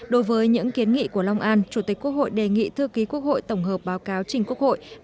đối với những kiến nghị của long an chủ tịch quốc hội đề nghị thư ký quốc hội tổng hợp báo cáo trình quốc hội